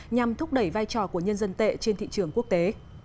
nhằm thúc đẩy vai trò của nhân dân tệ trên thị trường quốc tế